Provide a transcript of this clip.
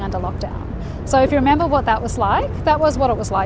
jadi kalau anda ingat apa itu seperti itu adalah apa yang terjadi untuk kami